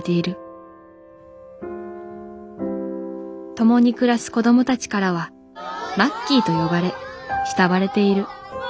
共に暮らす子どもたちからはマッキーと呼ばれ慕われている。